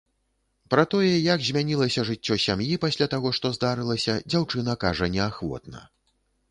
Пра тое, як змянілася жыццё сям'і пасля таго, што здарылася, дзяўчына кажа неахвотна.